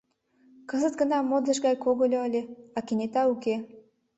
Кызыт гына модыш гай когыльо ыле, а кенета уке.